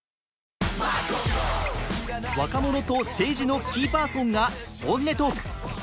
若者と政治のキーパーソンが本音トーク。